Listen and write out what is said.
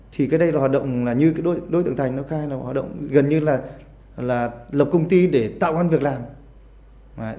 thì cái đây là hoạt động như đối tượng thành nó khai là hoạt động gần như là lập công ty để tạo ra một công ty